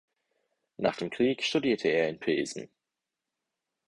Nach dem Krieg studierte er in Pilsen.